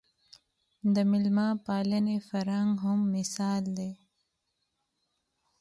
د مېلمه پالنې فرهنګ هم مثال دی